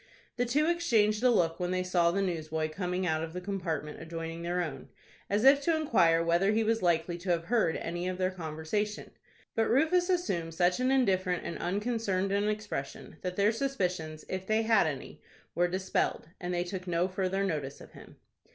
The two exchanged a look when they saw the newsboy coming out of the compartment adjoining their own, as if to inquire whether he was likely to have heard any of their conversation. But Rufus assumed such an indifferent and unconcerned an expression, that their suspicions, if they had any, were dispelled, and they took no further notice of him.